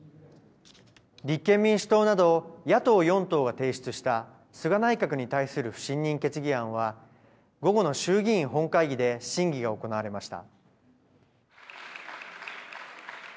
立憲民主党など野党４党が提出した菅内閣に対する不信任決議案は、午後の衆議院本会議で審議が行われました。